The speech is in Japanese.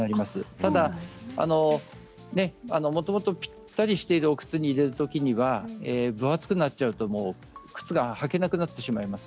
ただ、もともとぴったりしている靴に入れるときには、分厚くなると靴が履けなくなってしまいます。